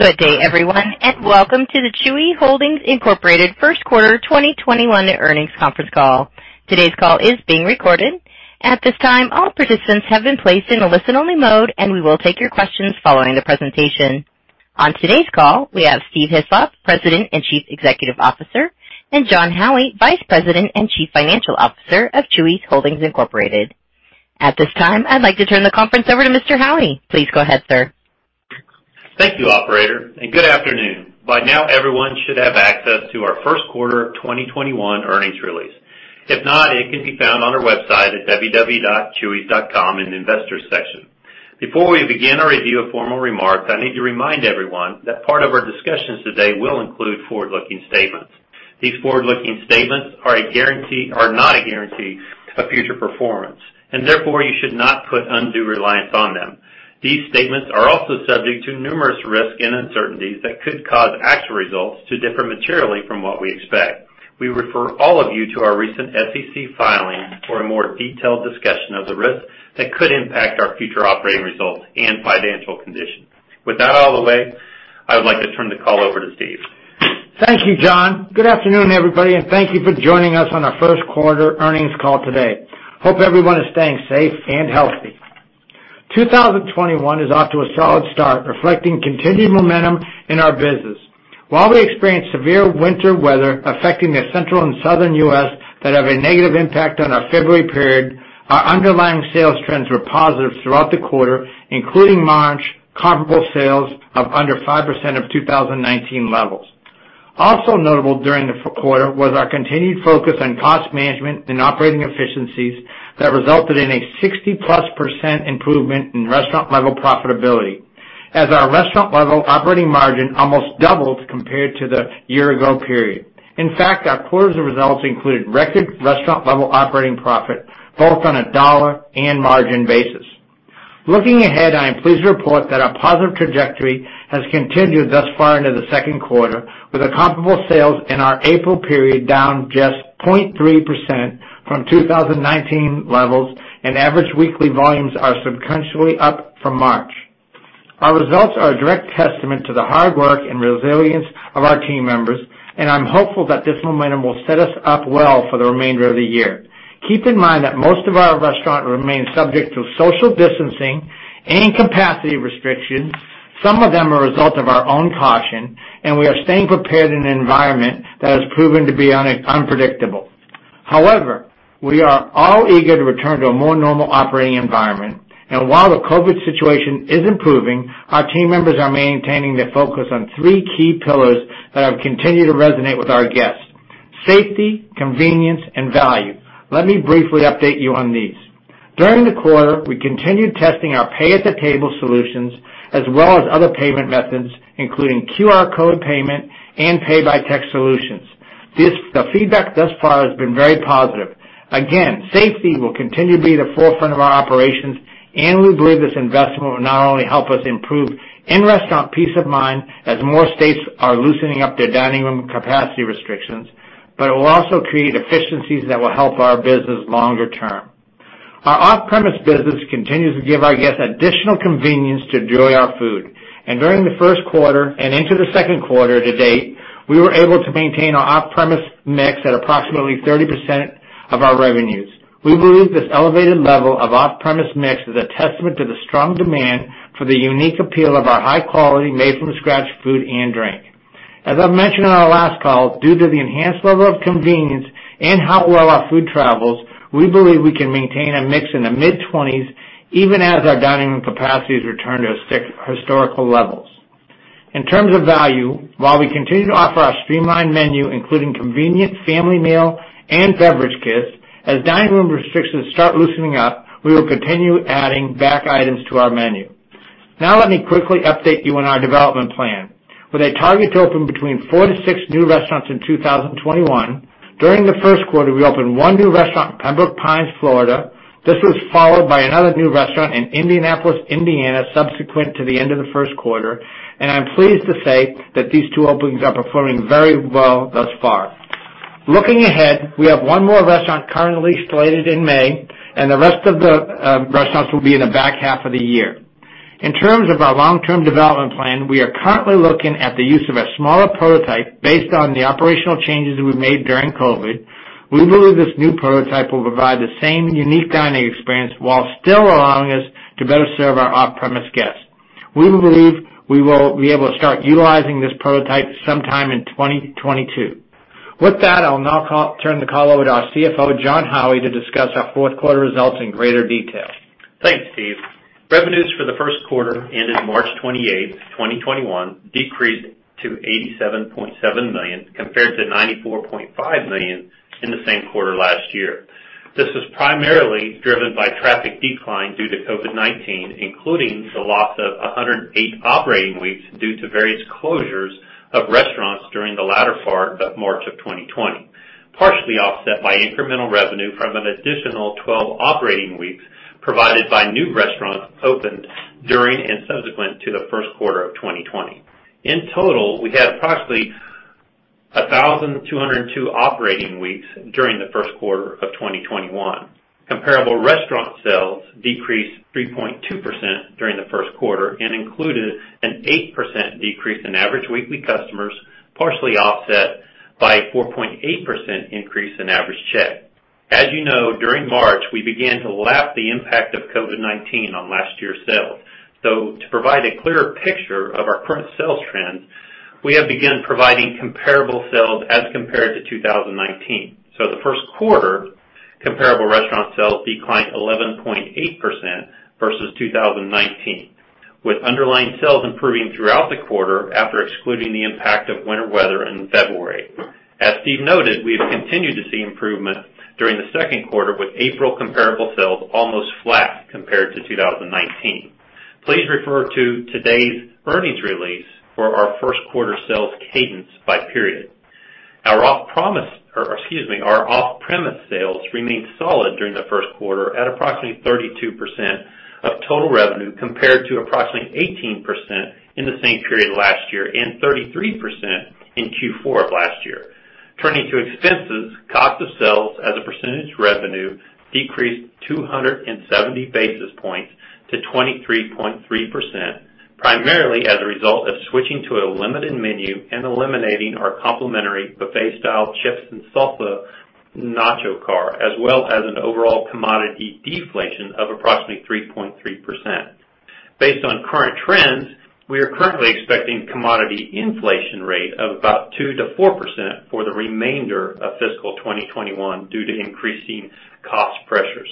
Good day everyone. Welcome to the Chuy's Holdings Incorporated first quarter 2021 earnings conference call. Today's call is being recorded. At this time, all participants have been placed in a listen-only mode. We will take your questions following the presentation. On today's call, we have Steve Hislop, President and Chief Executive Officer, Jon Howie, Vice President and Chief Financial Officer of Chuy's Holdings Incorporated. At this time, I'd like to turn the conference over to Mr. Howie. Please go ahead, sir. Thank you, operator, and good afternoon. By now, everyone should have access to our first quarter 2021 earnings release. If not, it can be found on our website at www.chuys.com in the Investors section. Before we begin our review of formal remarks, I need to remind everyone that part of our discussions today will include forward-looking statements. These forward-looking statements are not a guarantee of future performance, and therefore you should not put undue reliance on them. These statements are also subject to numerous risks and uncertainties that could cause actual results to differ materially from what we expect. We refer all of you to our recent SEC filings for a more detailed discussion of the risks that could impact our future operating results and financial condition. With that out of the way, I would like to turn the call over to Steve. Thank you, Jon. Good afternoon, everybody, and thank you for joining us on our first quarter earnings call today. Hope everyone is staying safe and healthy. 2021 is off to a solid start, reflecting continued momentum in our business. While we experienced severe winter weather affecting the Central and Southern U.S. that have a negative impact on our February period, our underlying sales trends were positive throughout the quarter, including March comparable sales of under 5% of 2019 levels. Also notable during the quarter was our continued focus on cost management and operating efficiencies that resulted in a 60%+ improvement in restaurant-level profitability as our restaurant-level operating margin almost doubled compared to the year-ago period. In fact, our quarter's results included record restaurant-level operating profit, both on a dollar and margin basis. Looking ahead, I am pleased to report that our positive trajectory has continued thus far into the second quarter, with the comparable sales in our April period down just 0.3% from 2019 levels, and average weekly volumes are substantially up from March. Our results are a direct testament to the hard work and resilience of our team members, and I'm hopeful that this momentum will set us up well for the remainder of the year. Keep in mind that most of our restaurants remain subject to social distancing and capacity restrictions. Some of them are a result of our own caution, and we are staying prepared in an environment that has proven to be unpredictable. However, we are all eager to return to a more normal operating environment. While the COVID situation is improving, our team members are maintaining their focus on three key pillars that have continued to resonate with our guests: safety, convenience, and value. Let me briefly update you on these. During the quarter, we continued testing our pay-at-the-table solutions, as well as other payment methods, including QR code payment and pay-by-text solutions. The feedback thus far has been very positive. Again, safety will continue to be at the forefront of our operations, and we believe this investment will not only help us improve in-restaurant peace of mind as more states are loosening up their dining room capacity restrictions, but it will also create efficiencies that will help our business longer term. Our off-premise business continues to give our guests additional convenience to enjoy our food. During the first quarter and into the second quarter-to-date, we were able to maintain our off-premise mix at approximately 30% of our revenues. We believe this elevated level of off-premise mix is a testament to the strong demand for the unique appeal of our high quality, made-from-scratch food and drink. As I mentioned on our last call, due to the enhanced level of convenience and how well our food travels, we believe we can maintain a mix in the mid-20% even as our dining room capacities return to historical levels. In terms of value, while we continue to offer our streamlined menu, including convenient family meal and beverage kits, as dining room restrictions start loosening up, we will continue adding back items to our menu. Now let me quickly update you on our development plan. With a target to open between four to six new restaurants in 2021, during the first quarter, we opened one new restaurant in Pembroke Pines, Florida. This was followed by another new restaurant in Indianapolis, Indiana, subsequent to the end of the first quarter. I'm pleased to say that these two openings are performing very well thus far. Looking ahead, we have one more restaurant currently slated in May. The rest of the restaurants will be in the back half of the year. In terms of our long-term development plan, we are currently looking at the use of a smaller prototype based on the operational changes we've made during COVID. We believe this new prototype will provide the same unique dining experience while still allowing us to better serve our off-premise guests. We believe we will be able to start utilizing this prototype sometime in 2022. With that, I will now turn the call over to our CFO, Jon Howie, to discuss our first quarter results in greater detail. Thanks, Steve. Revenues for the first quarter ended March 28th, 2021 decreased to $87.7 million compared to $94.5 million in the same quarter last year. This was primarily driven by traffic decline due to COVID-19, including the loss of 108 operating weeks due to various closures of restaurants during the latter part of March of 2020, partially offset by incremental revenue from an additional 12 operating weeks provided by new restaurants opened during and subsequent to the first quarter of 2020. In total, we had approximately 1,202 operating weeks during the first quarter of 2021. Comparable restaurant sales decreased 3.2% during the first quarter and included an 8% decrease in average weekly customers, partially offset by a 4.8% increase in average check. As you know, during March, we began to lap the impact of COVID-19 on last year's sales. To provide a clearer picture of our current sales trends, we have begun providing comparable sales as compared to 2019. The first quarter comparable restaurant sales declined 11.8% versus 2019, with underlying sales improving throughout the quarter after excluding the impact of winter weather in February. As Steve noted, we have continued to see improvement during the second quarter, with April comparable sales almost flat compared to 2019. Please refer to today's earnings release for our first quarter sales cadence by period. Our off-premise sales remained solid during the first quarter at approximately 32% of total revenue, compared to approximately 18% in the same period last year, and 33% in Q4 of last year. Turning to expenses, cost of sales as a percentage of revenue decreased 270 basis points to 23.3%, primarily as a result of switching to a limited menu and eliminating our complimentary buffet-style chips and salsa Nacho Car, as well as an overall commodity deflation of approximately 3.3%. Based on current trends, we are currently expecting commodity inflation rate of about 2%-4% for the remainder of fiscal 2021 due to increasing cost pressures.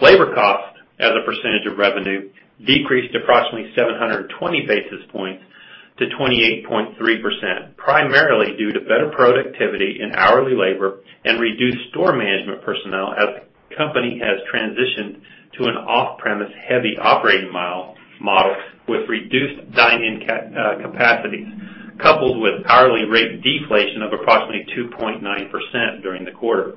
Labor cost as a percentage of revenue decreased approximately 720 basis points to 28.3%, primarily due to better productivity in hourly labor and reduced store management personnel as the company has transitioned to an off-premise heavy operating model with reduced dine-in capacities, coupled with hourly rate deflation of approximately 2.9% during the quarter.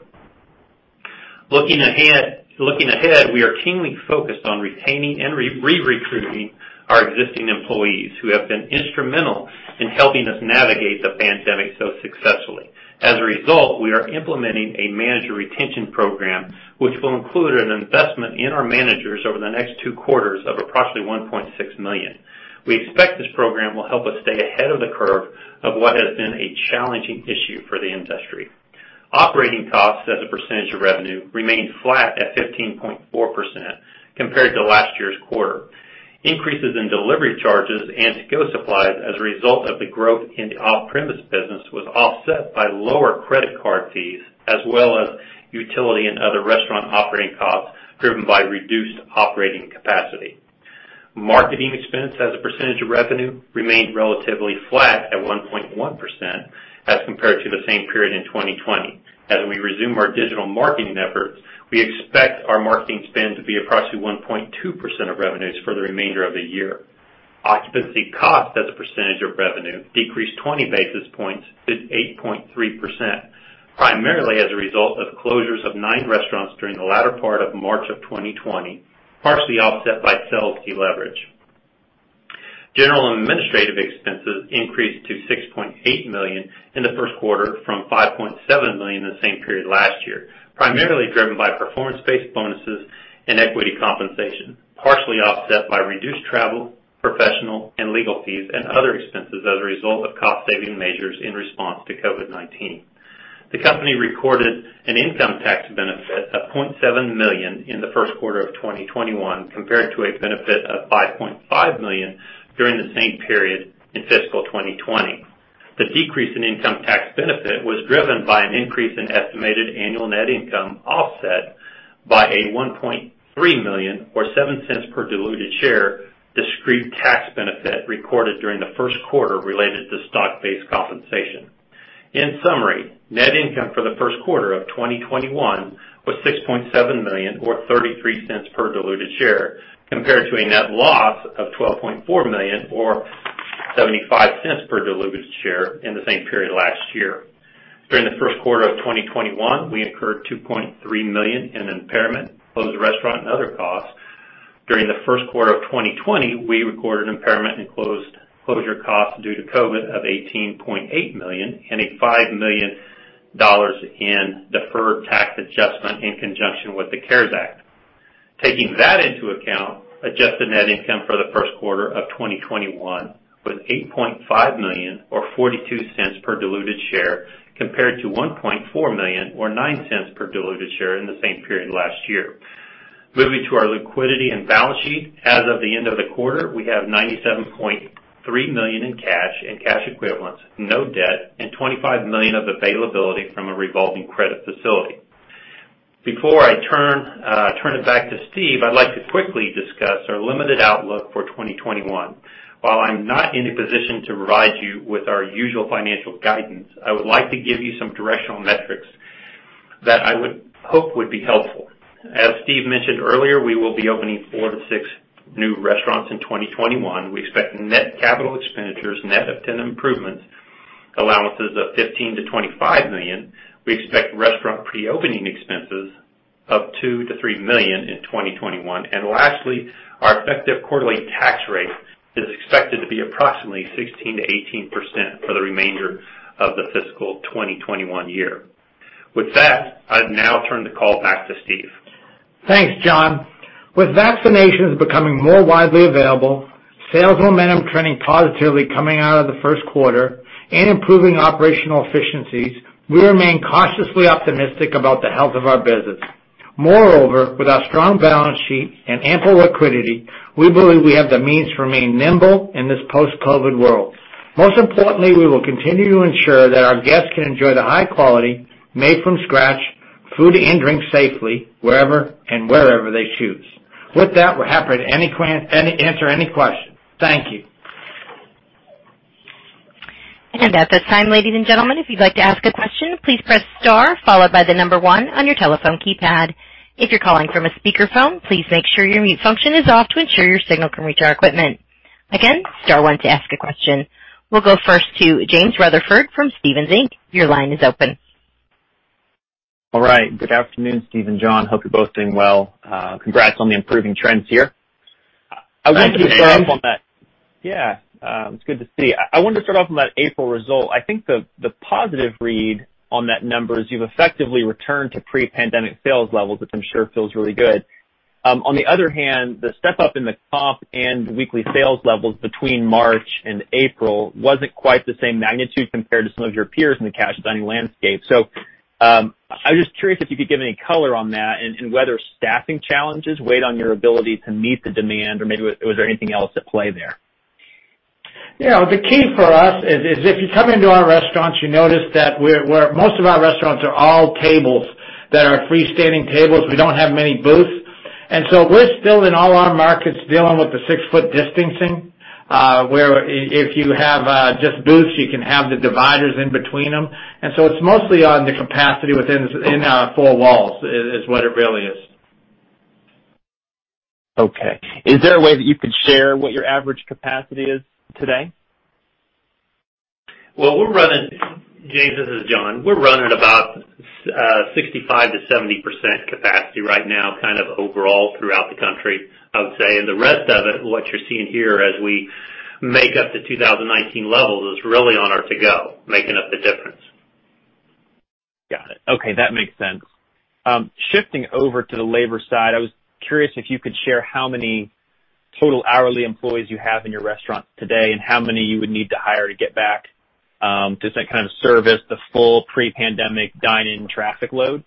Looking ahead, we are keenly focused on retaining and re-recruiting our existing employees, who have been instrumental in helping us navigate the pandemic so successfully. As a result, we are implementing a manager retention program, which will include an investment in our managers over the next two quarters of approximately $1.6 million. We expect this program will help us stay ahead of the curve of what has been a challenging issue for the industry. Operating costs as a percentage of revenue remained flat at 15.4% compared to last year's quarter. Increases in delivery charges and to-go supplies as a result of the growth in the off-premise business was offset by lower credit card fees, as well as utility and other restaurant operating costs driven by reduced operating capacity. Marketing expense as a percentage of revenue remained relatively flat at 1.1% as compared to the same period in 2020. As we resume our digital marketing efforts, we expect our marketing spend to be approximately 1.2% of revenues for the remainder of the year. Occupancy cost as a percentage of revenue decreased 20 basis points to 8.3%, primarily as a result of closures of nine restaurants during the latter part of March of 2020, partially offset by sales deleverage. General and administrative expenses increased to $6.8 million in the first quarter from $5.7 million in the same period last year, primarily driven by performance-based bonuses and equity compensation, partially offset by reduced travel, professional and legal fees and other expenses as a result of cost saving measures in response to COVID-19. The company recorded an income tax benefit of $0.7 million in the first quarter of 2021, compared to a benefit of $5.5 million during the same period in fiscal 2020. The decrease in income tax benefit was driven by an increase in estimated annual net income, offset by a $1.3 million, or $0.07 per diluted share, discrete tax benefit recorded during the first quarter related to stock-based compensation. In summary, net income for the first quarter of 2021 was $6.7 million or $0.33 per diluted share, compared to a net loss of $12.4 million or $0.75 per diluted share in the same period last year. During the first quarter of 2021, we incurred $2.3 million in impairment, closed restaurant, and other costs. During the first quarter of 2020, we recorded impairment and closure costs due to COVID of $18.8 million and a $5 million in deferred tax adjustment in conjunction with the CARES Act. Taking that into account, adjusted net income for the first quarter of 2021 was $8.5 million or $0.42 per diluted share, compared to $1.4 million or $0.09 per diluted share in the same period last year. Moving to our liquidity and balance sheet. As of the end of the quarter, we have $97.3 million in cash and cash equivalents, no debt, and $25 million of availability from a revolving credit facility. Before I turn it back to Steve, I'd like to quickly discuss our limited outlook for 2021. While I'm not in a position to provide you with our usual financial guidance, I would like to give you some directional metrics that I would hope would be helpful. As Steve mentioned earlier, we will be opening four to six new restaurants in 2021. We expect net capital expenditures net of tenant improvements allowances of $15 million-$25 million. We expect restaurant pre-opening expenses of $2 million-$3 million in 2021. Lastly, our effective quarterly tax rate is expected to be approximately 16%-18% for the remainder of the fiscal 2021 year. With that, I'd now turn the call back to Steve. Thanks, Jon. With vaccinations becoming more widely available, sales momentum trending positively coming out of the first quarter, and improving operational efficiencies, we remain cautiously optimistic about the health of our business. Moreover, with our strong balance sheet and ample liquidity, we believe we have the means to remain nimble in this post-COVID world. Most importantly, we will continue to ensure that our guests can enjoy the high quality, made from scratch, food and drink safely, wherever and wherever they choose. With that, we're happy to answer any question. Thank you. At this time, ladies and gentlemen, if you'd like to ask a question, please press star followed by the number one on your telephone keypad. If you're calling from a speakerphone, please make sure your mute function is off to ensure your signal can reach our equipment. Again, star one to ask a question. We'll go first to James Rutherford from Stephens Inc. Your line is open. All right. Good afternoon, Steve and Jon. Hope you're both doing well. Congrats on the improving trends here. Thank you. Yeah. It's good to see. I wanted to start off on that April result. I think the positive read on that number is you've effectively returned to pre-pandemic sales levels, which I'm sure feels really good. On the other hand, the step up in the comp and weekly sales levels between March and April wasn't quite the same magnitude compared to some of your peers in the casual dining landscape. I was just curious if you could give any color on that and whether staffing challenges weighed on your [ability] to meet the demand, or maybe was there anything else at play there? The key for us is if you come into our restaurants, you notice that most of our restaurants are all tables that are freestanding tables. We don't have many booths. We're still in all our markets dealing with the 6 ft distancing, where if you have just booths, you can have the dividers in between them. It's mostly on the capacity within our four walls, is what it really is. Okay. Is there a way that you could share what your average capacity is today? Well, James, this is Jon. We're running about 65%-70% capacity right now, kind of overall throughout the country, I would say. The rest of it, what you're seeing here as we make up to 2019 levels, is really on our to-go making up the difference. Got it. Okay. That makes sense. Shifting over to the labor side, I was curious if you could share how many total hourly employees you have in your restaurants today, and how many you would need to hire to get back to kind of service the full pre-pandemic dine-in traffic load.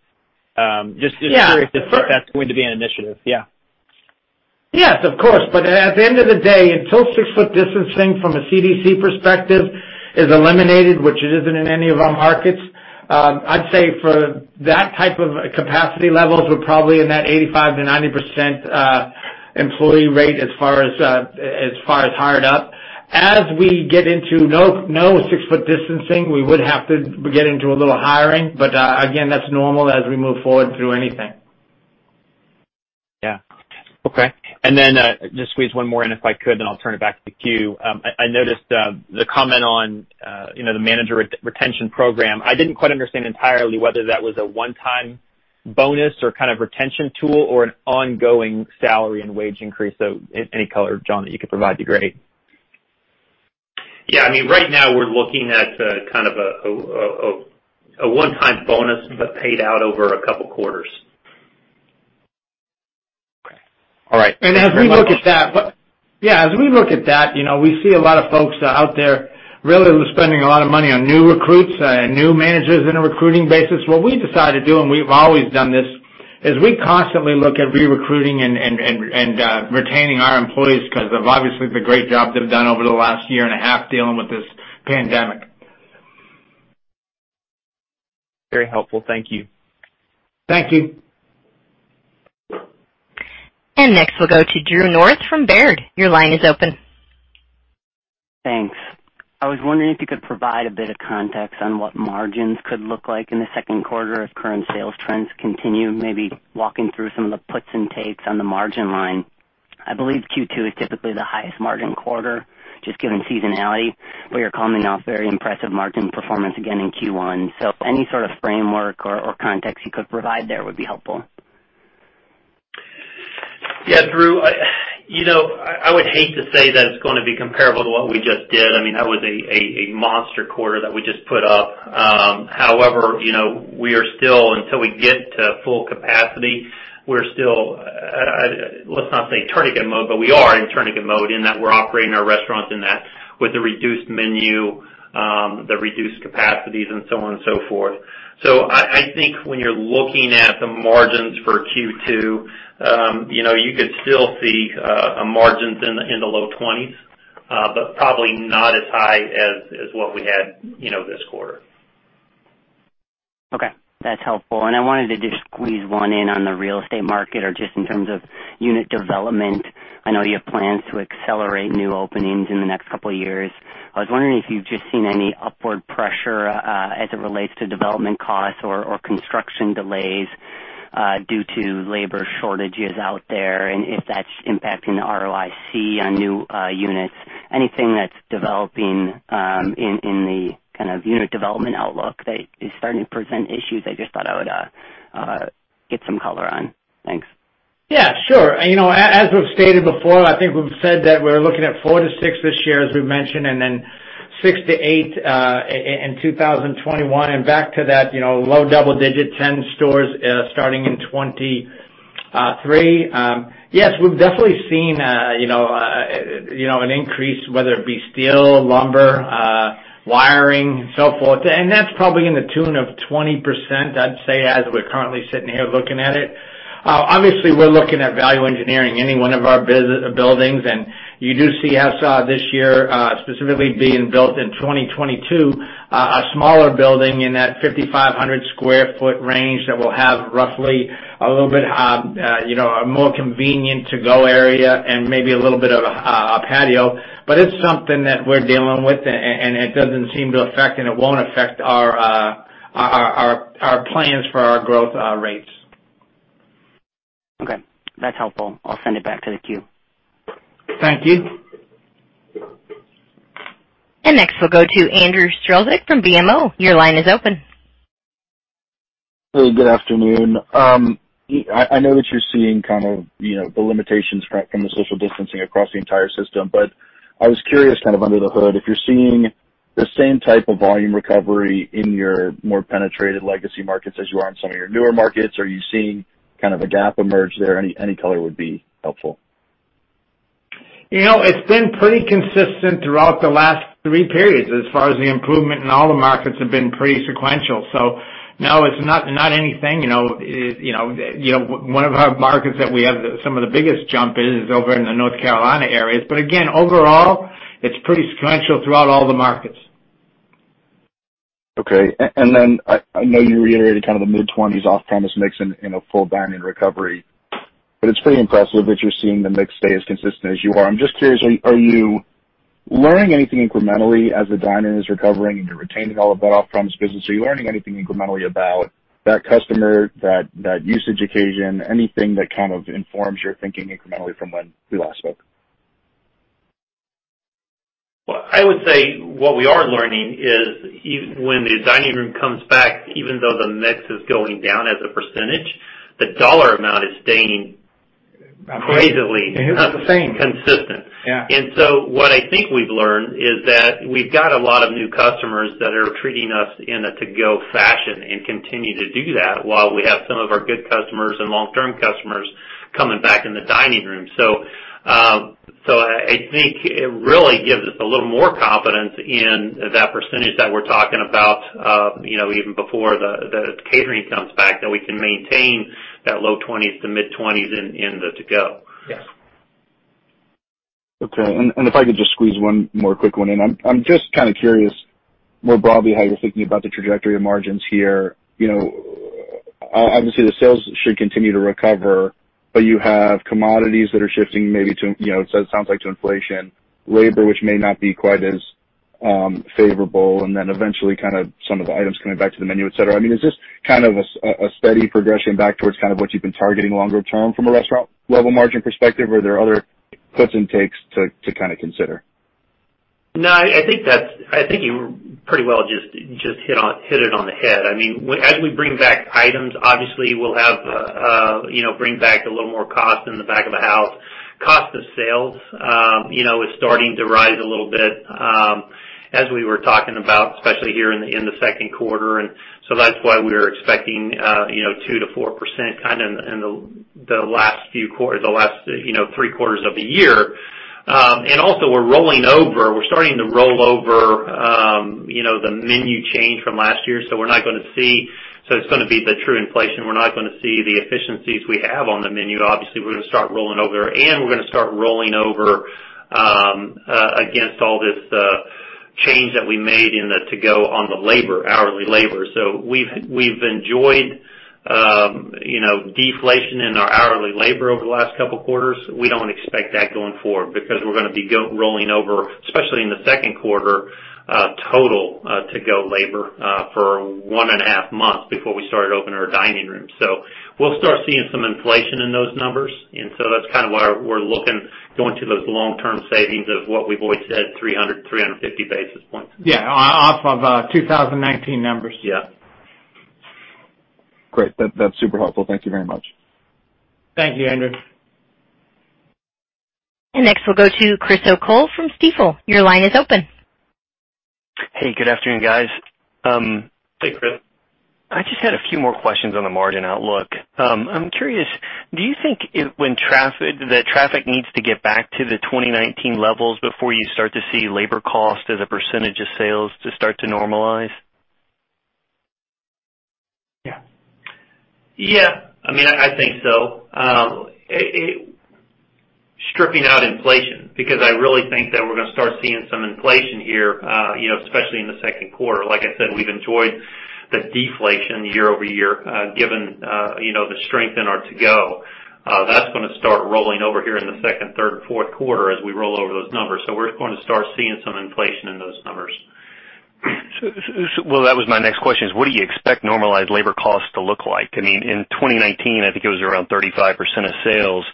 Just to ensure if that's going to be an initiative. Yeah. Yes, of course. At the end of the day, until 6 ft distancing from a CDC perspective is eliminated, which it isn't in any of our markets, I'd say for that type of capacity levels, we're probably in that 85%-90% employee rate as far as hired up. As we get into no 6 ft distancing, we would have to get into a little hiring. Again, that's normal as we move forward through anything. Yeah. Okay. Just squeeze one more in, if I could, then I'll turn it back to the queue. I noticed the comment on the manager retention program. I didn't quite understand entirely whether that was a one-time bonus or kind of retention tool or an ongoing salary and wage increase. Any color, Jon, that you could provide would be great. Yeah. Right now, we're looking at kind of a one-time bonus, but paid out over a couple of quarters. Okay. All right. As we look at that, we see a lot of folks out there really spending a lot of money on new recruits, new managers in a recruiting basis. What we decided to do, and we've always done this, is we constantly look at re-recruiting and retaining our employees because of obviously the great job they've done over the last year and a half dealing with this pandemic. Very helpful. Thank you. Thank you. Next, we'll go to Drew North from Baird. Your line is open. Thanks. I was wondering if you could provide a bit of context on what margins could look like in the second quarter if current sales trends continue, maybe walking through some of the puts and takes on the margin line? I believe Q2 is typically the highest margin quarter, just given seasonality, but you're coming off very impressive margin performance again in Q1. Any sort of framework or context you could provide there would be helpful. Yeah, Drew. I would hate to say that it's going to be comparable to what we just did. That was a monster quarter that we just put up. However, until we get to full capacity, we're still, let's not say tourniquet mode, but we are in tourniquet mode in that we're operating our restaurants in that with the reduced menu, the reduced capacities and so on and so forth. I think when you're looking at the margins for Q2, you could still see margins in the low 20%, but probably not as high as what we had this quarter. Okay. That's helpful. I wanted to just squeeze one in on the real estate market or just in terms of unit development. I know you have plans to accelerate new openings in the next couple of years. I was wondering if you've just seen any upward pressure, as it relates to development costs or construction delays, due to labor shortages out there, and if that's impacting the ROIC on new units. Anything that's developing in the kind of unit development outlook that is starting to present issues I just thought I would get some color on. Thanks. Yeah, sure. As we've stated before, I think we've said that we're looking at four to six this year, as we've mentioned, and then six to eight in [2022], and back to that low double digit 10 stores starting in 2023. Yes, we've definitely seen an increase, whether it be steel, lumber, wiring, so forth, and that's probably in the tune of 20%, I'd say, as we're currently sitting here looking at it. Obviously, we're looking at value engineering any one of our buildings, and you do see us this year, specifically being built in 2022, a smaller building in that 5,500 sq ft range that will have roughly a little bit, a more convenient to-go area and maybe a little bit of a patio. It's something that we're dealing with, and it doesn't seem to affect, and it won't affect our plans for our growth rates. Okay. That's helpful. I'll send it back to the queue. Thank you. Next we'll go to Andrew Strelzik from BMO. Your line is open. Hey, good afternoon. I know that you're seeing kind of the limitations from the social distancing across the entire system, but I was curious kind of under the hood, if you're seeing the same type of volume recovery in your more penetrated legacy markets as you are in some of your newer markets. Are you seeing kind of a gap emerge there? Any color would be helpful. It's been pretty consistent throughout the last three periods as far as the improvement in all the markets have been pretty sequential. No, it's not anything. One of our markets that we have some of the biggest jump in is over in the North Carolina areas. Again, overall, it's pretty sequential throughout all the markets. I know you reiterated kind of the mid-20% off-premise mix in a full dine-in recovery, but it's pretty impressive that you're seeing the mix stay as consistent as you are. I'm just curious, are you learning anything incrementally as the dine-in is recovering and you're retaining all of that off-premise business? Are you learning anything incrementally about that customer, that usage occasion, anything that kind of informs your thinking incrementally from when we last spoke? Well, I would say what we are learning is when the dining room comes back, even though the mix is going down as a percentage, the dollar amount is staying crazily. It's the same. Consistent. Yeah. What I think we've learned is that we've got a lot of new customers that are treating us in a to-go fashion and continue to do that while we have some of our good customers and long-term customers coming back in the dining room. I think it really gives us a little more confidence in that percentage that we're talking about even before the catering comes back, that we can maintain that low 20% to mid-20% in the to-go. Yes. Okay. If I could just squeeze one more quick one in. I'm just kind of curious more broadly how you're thinking about the trajectory of margins here. Obviously, the sales should continue to recover, but you have commodities that are shifting maybe to, it sounds like, to inflation. Labor, which may not be quite as favorable, and then eventually some of the items coming back to the menu, et cetera. I mean, is this kind of a steady progression back towards kind of what you've been targeting longer term from a restaurant level margin perspective, or are there other puts and takes to kind of consider? No, I think you pretty well just hit it on the head. As we bring back items, obviously we'll bring back a little more cost in the back of the house. Cost of sales is starting to rise a little bit as we were talking about, especially here in the second quarter. That's why we are expecting 2%-4% kind of in the last three quarters of the year. Also we're rolling over, we're starting to roll over the menu change from last year, so it's going to be the true inflation. We're not going to see the efficiencies we have on the menu. Obviously, we're going to start rolling over, and we're going to start rolling over against all this change that we made in the to-go on the hourly labor. We've enjoyed deflation in our hourly labor over the last couple of quarters. We don't expect that going forward because we're going to be rolling over, especially in the second quarter, total to-go labor for 1.5 months before we started opening our dining room. We'll start seeing some inflation in those numbers, and so that's kind of why we're looking, going to those long-term savings of what we've always said, 300-350 basis points. Yeah. Off of 2019 numbers. Yeah. Great. That's super helpful. Thank you very much. Thank you, Andrew. Next we'll go to Chris O'Cull from Stifel. Your line is open. Hey, good afternoon, guys. Hey, Chris. I just had a few more questions on the margin outlook. I'm curious, do you think that traffic needs to get back to the 2019 levels before you start to see labor cost as a percentage of sales to start to normalize? Yeah. I think so. Stripping out inflation, because I really think that we're going to start seeing some inflation here, especially in the second quarter. Like I said, we've enjoyed the deflation year-over-year given the strength in our to-go. That's going to start rolling over here in the second, third, and fourth quarter as we roll over those numbers. We're going to start seeing some inflation in those numbers. Well, that was my next question, is what do you expect normalized labor costs to look like? In 2019, I think it was around 35% of sales.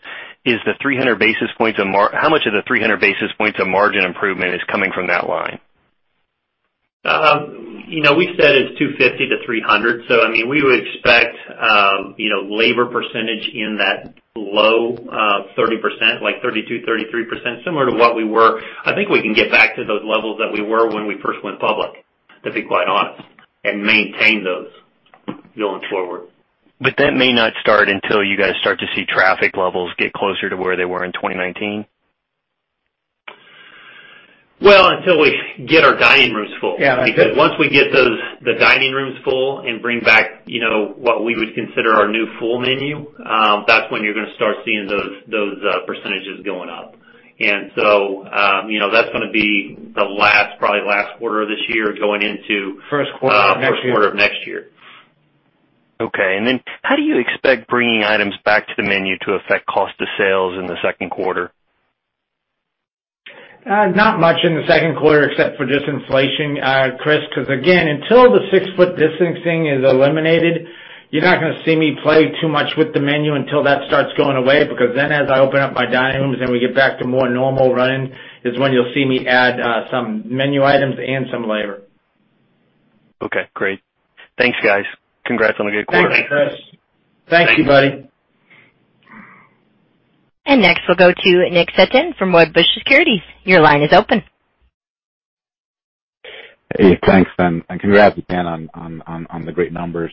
How much of the 300 basis points of margin improvement is coming from that line? We said it's 250-300 basis points. We would expect labor percentage in that low 30%, like 32%-33%, similar to what we were. I think we can get back to those levels that we were when we first went public, to be quite honest, and maintain those going forward. That may not start until you guys start to see traffic levels get closer to where they were in 2019? Well, until we get our dining rooms full. Yeah, that's it. Once we get the dining rooms full and bring back what we would consider our new full menu, that's when you're going to start seeing those percentages going up. That's going to be probably last quarter of this year going into first quarter of next year. Okay. How do you expect bringing items back to the menu to affect cost of sales in the second quarter? Not much in the second quarter except for just inflation, Chris, because again, until the 6 ft distancing is eliminated, you're not going to see me play too much with the menu until that starts going away, because then as I open up my dining rooms, then we get back to more normal running, is when you'll see me add some menu items and some labor. Okay, great. Thanks, guys. Congrats on a good quarter. Thank you. Thanks, Chris. Thank you, buddy. Next, we'll go to Nick Setyan from Wedbush Securities. Your line is open. Hey, thanks. Congrats, again, on the great numbers.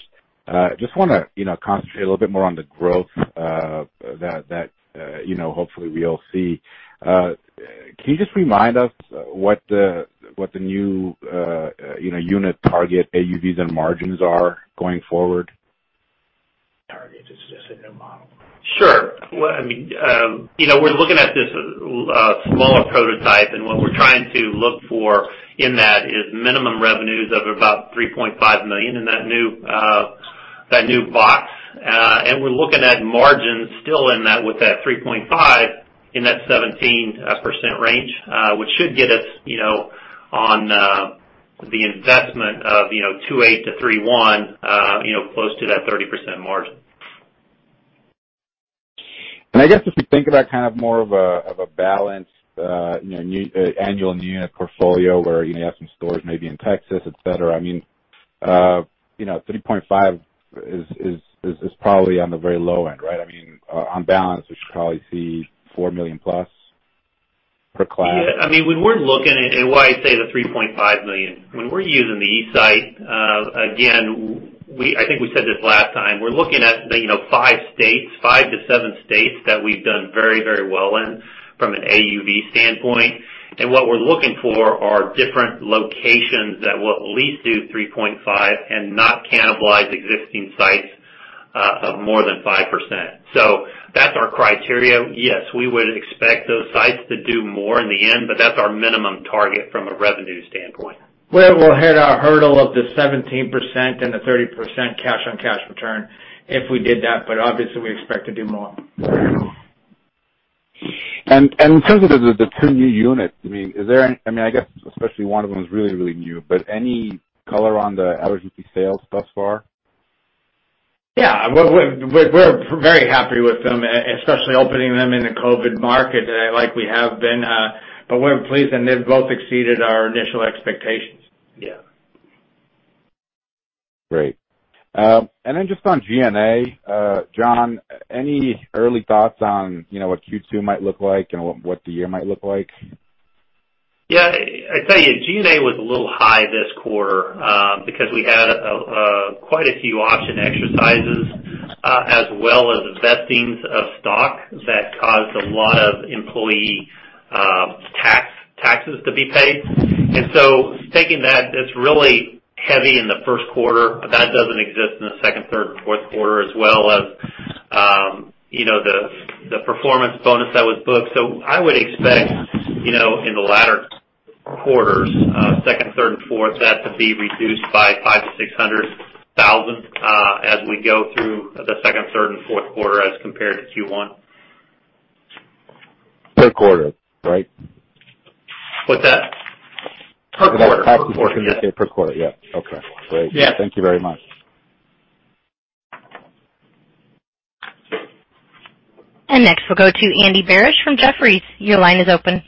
Just want to concentrate a little bit more on the growth that hopefully we'll see. Can you just remind us what the new unit target AUVs and margins are going forward? Target is just a new model. Sure. We're looking at this smaller prototype, and what we're trying to look for in that is minimum revenues of about $3.5 million in that new box. We're looking at margins still in that with that $3.5 million in that 17% range, which should get us on the investment of $2.8 million-$3.1 million, close to that 30% margin. I guess if you think about more of a balanced annual new unit portfolio where you may have some stores maybe in Texas, et cetera, $3.5 million is probably on the very low end, right? On balance, we should probably see $4 million+ per class. When we're looking at, and why I say the $3.5 million, when we're using the eSite, again, I think we said this last time. We're looking at five to seven states that we've done very well in from an AUV standpoint. What we're looking for are different locations that will at least do $3.5 million and not cannibalize existing sites of more than 5%, so that's our criteria. Yes, we would expect those sites to do more in the end, but that's our minimum target from a revenue standpoint. Well, we'll hit our hurdle of the 17% and the 30% cash-on-cash return if we did that, but obviously, we expect to do more. In terms of the two new units, I guess, especially one of them is really new, but any color on the ability sales thus far? Yeah. We're very happy with them, especially opening them in a COVID market like we have been. We're pleased, and they've both exceeded our initial expectations. Yeah. Great. Just on G&A, Jon, any early thoughts on what Q2 might look like and what the year might look like? Yeah. I tell you, G&A was a little high this quarter because we had quite a few option exercises as well as vestings of stock that caused a lot of employee taxes to be paid. Taking that, it's really heavy in the first quarter. That doesn't exist in the second, third, and fourth quarter as well as the performance bonus that was booked. I would expect in the latter quarters, second, third, and fourth, that to be reduced by $500,000-$600,000 as we go through the second, third, and fourth quarter as compared to Q1. Per quarter, right? What's that? Per quarter. Per quarter, yeah. Per quarter. Yeah. Okay. Great. Yeah. Thank you very much. Next, we'll go to Andy Barish from Jefferies. Your line is open.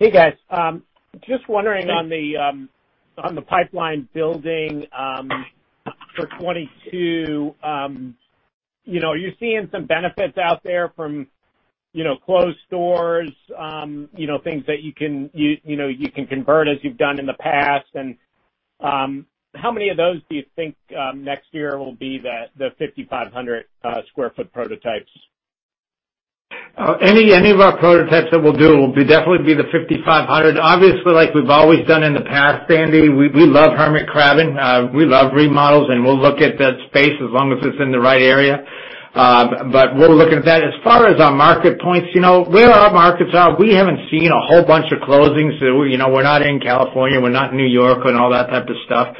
Hey, guys. Just wondering on the pipeline building for 2022. Are you seeing some benefits out there from closed stores, things that you can convert as you've done in the past? How many of those do you think next year will be the 5,500 sq ft prototypes? Any of our prototypes that we'll do will definitely be the 5,500 sq ft. Obviously, like we've always done in the past, Andy, we love hermit crabbing. We love remodels, and we'll look at that space as long as it's in the right area, we'll look at that. As far as our market points, where our markets are, we haven't seen a whole bunch of closings. We're not in California, we're not in New York and all that type of stuff.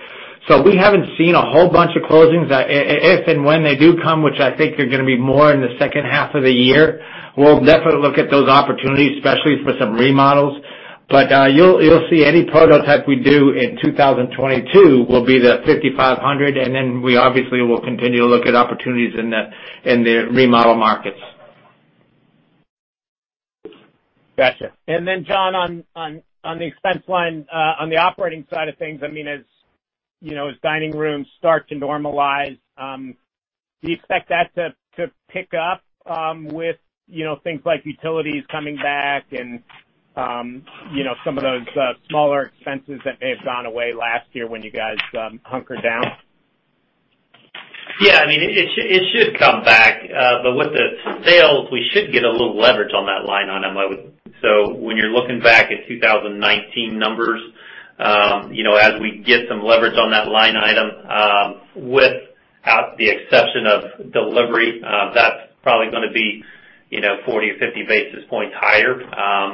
We haven't seen a whole bunch of closings. If and when they do come, which I think are going to be more in the second half of the year, we'll definitely look at those opportunities, especially for some remodels. You'll see any prototype we do in 2022 will be the 5,500 sq ft, and then we obviously will continue to look at opportunities in the remodel markets. Got you. Jon, on the expense line, on the operating side of things, as dining rooms start to normalize, do you expect that to pick up with things like utilities coming back and some of those smaller expenses that may have gone away last year when you guys hunkered down? Yeah. It should come back. With the sales, we should get a little leverage on that line item. When you're looking back at 2019 numbers, as we get some leverage on that line item, with the exception of delivery, that's probably going to be 40-50 basis points higher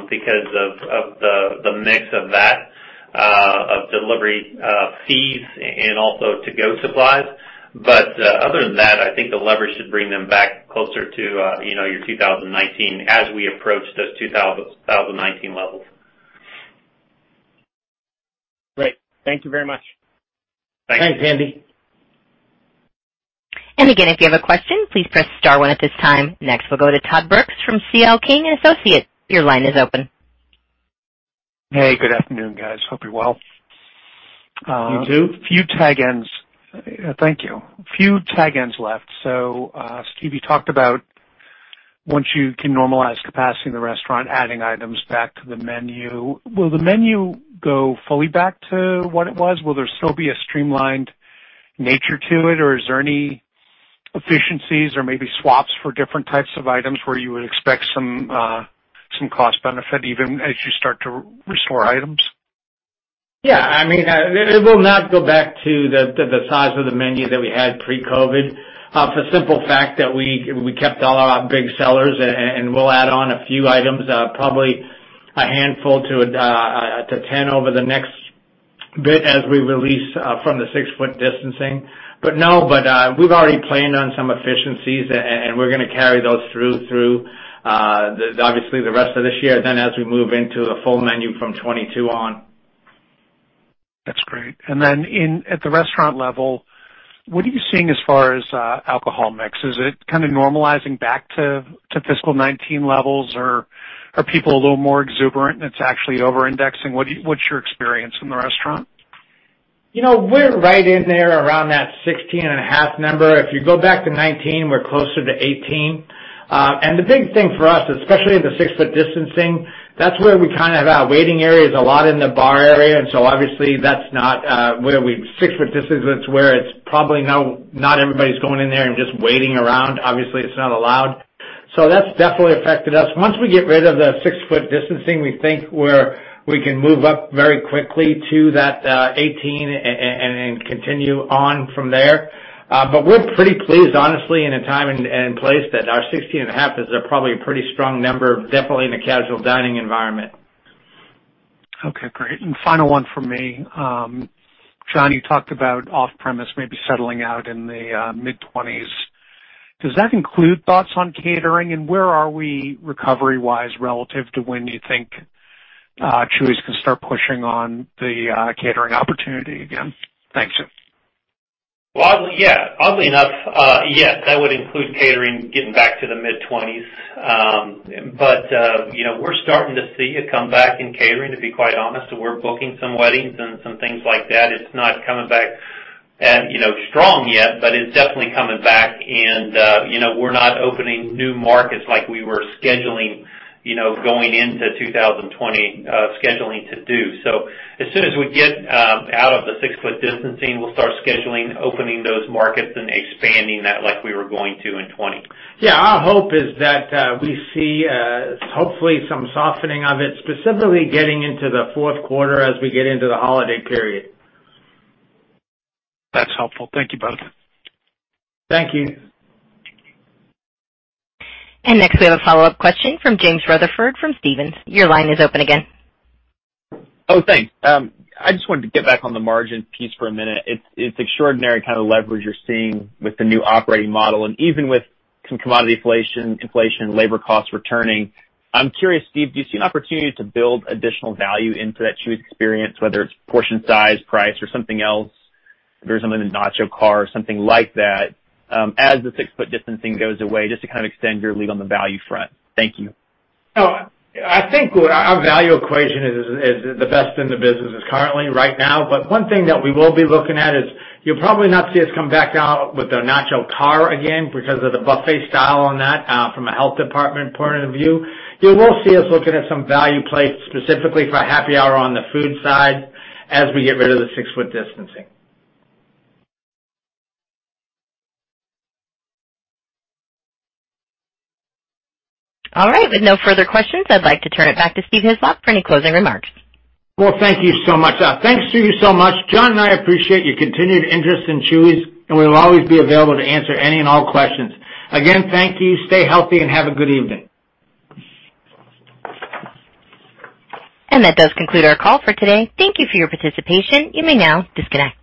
because of the mix of that, of delivery fees and also to-go supplies. Other than that, I think the leverage should bring them back closer to your 2019 as we approach those 2019 levels. Great. Thank you very much. Thanks. Thanks, Andy. Again, if you have a question, please press star one at this time. Next, we'll go to Todd Brooks from C.L. King & Associates Your line is open. Hey, good afternoon, guys. Hope you're well. You too. Thank you. Few tag ends left. Steve, you talked about once you can normalize capacity in the restaurant, adding items back to the menu. Will the menu go fully back to what it was? Will there still be a streamlined nature to it, or is there any efficiencies or maybe swaps for different types of items where you would expect some cost benefit even as you start to restore items? Yeah. It will not go back to the size of the menu that we had pre-COVID-19. For the simple fact that we kept all our big sellers, and we'll add on a few items, probably a handful to 10 over the next bit as we release from the 6 ft distancing. No, we've already planned on some efficiencies, and we're going to carry those through, obviously, the rest of this year, then as we move into a full menu from 2022 on. That's great. Then at the restaurant level, what are you seeing as far as alcohol mix? Is it kind of normalizing back to fiscal 2019 levels, or are people a little more exuberant, and it's actually over-indexing? What's your experience in the restaurant? We're right in there around that 16.5% number. If you go back to 2019, we're closer to 18%. The big thing for us, especially the 6 ft distancing, that's where we have our waiting areas a lot in the bar area, obviously, that's where it's probably not everybody's going in there and just waiting around. Obviously, it's not allowed. That's definitely affected us. Once we get rid of the 6 ft distancing, we think we can move up very quickly to that 18% and then continue on from there. We're pretty pleased, honestly, in a time and place that our 16.5% is probably a pretty strong number, definitely in the casual dining environment. Okay, great. Final one from me. Jon, you talked about off-premise maybe settling out in the mid-20%. Does that include thoughts on catering, and where are we recovery-wise relative to when you think Chuy's can start pushing on the catering opportunity again? Thanks. Yeah. Oddly enough, yes, that would include catering getting back to the mid-20%. We're starting to see a comeback in catering, to be quite honest. We're booking some weddings and some things like that. It's not coming back strong yet, but it's definitely coming back, and we're not opening new markets like we were scheduling going into 2020, scheduling to do. As soon as we get out of the 6 ft distancing, we'll start scheduling, opening those markets, and expanding that like we were going to in 2020. Yeah, our hope is that we see hopefully some softening of it, specifically getting into the fourth quarter as we get into the holiday period. That's helpful. Thank you both. Thank you. Next, we have a follow-up question from James Rutherford from Stephens. Your line is open again. Oh, thanks. I just wanted to get back on the margin piece for a minute. It's extraordinary kind of leverage you're seeing with the new operating model, and even with some commodity inflation, labor costs returning. I'm curious, Steve, do you see an opportunity to build additional value into that Chuy's experience, whether it's portion size, price, or something else? Whether it's something, a Nacho Car or something like that, as the 6 ft distancing goes away, just to kind of extend your lead on the value front. Thank you. Oh, I think our value equation is the best in the business currently right now. One thing that we will be looking at is you'll probably not see us come back out with the Nacho Car again because of the buffet style on that from a health department point of view. You will see us looking at some value plates, specifically for happy hour on the food side, as we get rid of the 6 ft distancing. All right. With no further questions, I'd like to turn it back to Steve Hislop for any closing remarks. Well, thank you so much. Thanks to you so much. Jon and I appreciate your continued interest in Chuy's, and we will always be available to answer any and all questions. Again, thank you. Stay healthy and have a good evening. That does conclude our call for today. Thank you for your participation. You may now disconnect.